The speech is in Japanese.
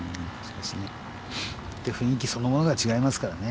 雰囲気そのものが違いますからね。